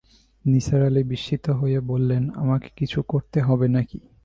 নিসার আলি বিস্মিত হয়ে বললেন, আমাকে কিছু করতে হবে নাকি।